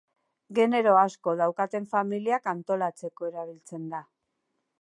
Genero asko daukaten familiak antolatzeko erabiltzen da.